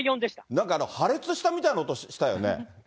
なんか破裂したみたいな音したよね。